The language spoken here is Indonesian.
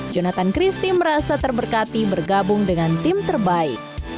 jonathan christie merasa terberkati bergabung dengan tim terbaik